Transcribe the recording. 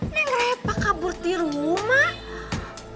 neng refah kabur di rumah